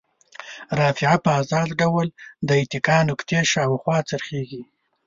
رافعه په ازاد ډول د اتکا نقطې شاوخوا څرخیږي.